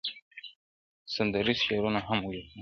سندریز شعرونه هم ولیکل -